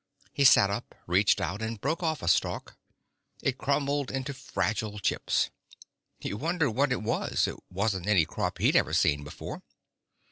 He sat up, reached out and broke off a stalk. It crumbled into fragile chips. He wondered what it was. It wasn't any crop he'd ever seen before.